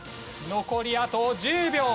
残りあと１０秒。